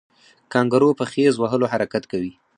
کانګارو په خیز وهلو حرکت کوي